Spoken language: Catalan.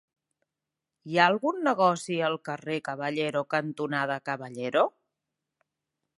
Hi ha algun negoci al carrer Caballero cantonada Caballero?